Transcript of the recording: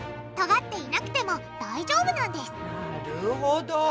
とがっていなくても大丈夫なんですなるほど。